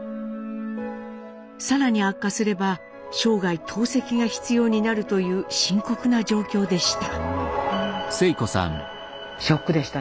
更に悪化すれば生涯透析が必要になるという深刻な状況でした。